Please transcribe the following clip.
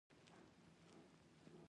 رپوټونه رسېدلي دي.